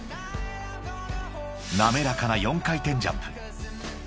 ［滑らかな４回転ジャンプ］